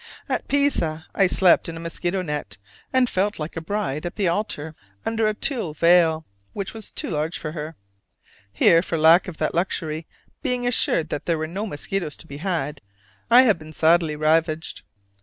At Pisa I slept in a mosquito net, and felt like a bride at the altar under a tulle veil which was too large for her. Here, for lack of that luxury, being assured that there were no mosquitoes to be had, I have been sadly ravaged.